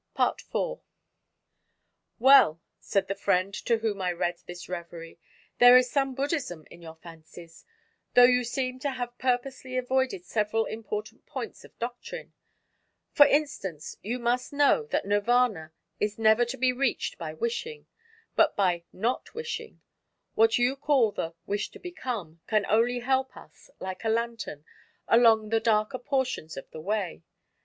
IV "Well," said the friend to whom I read this revery, "there is some Buddhism in your fancies though you seem to have purposely avoided several important points of doctrine. For instance, you must know that Nirvana is never to be reached by wishing, but by not wishing. What you call the 'wish to become' can only help us, like a lantern, along the darker portions of the Way.